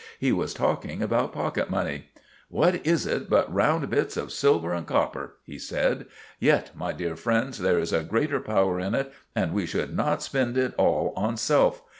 He was talking about pocket money. "What is it but round bits of silver and copper?" he said. "Yet, my dear friends, there is a great power in it, and we should not spend it all on self.